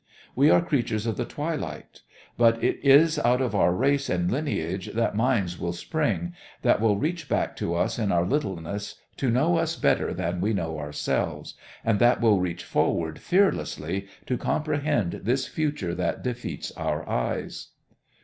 We are creatures of the twilight. But it is out of our race and lineage that minds will spring, that will reach back to us in our littleness to know us better than we know ourselves, and that will reach forward fearlessly to comprehend this future that defeats our eyes.